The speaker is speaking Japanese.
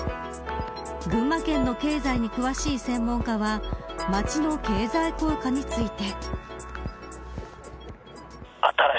群馬県の経済に詳しい専門家は町の経済効果について。